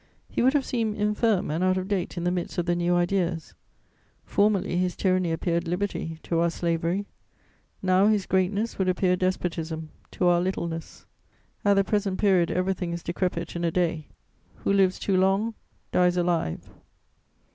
He would have seemed infirm and out of date in the midst of the new ideas. Formerly his tyranny appeared liberty to our slavery; now his greatness would appear despotism to our littleness. At the present period, everything is decrepit in a day; who lives too long dies alive.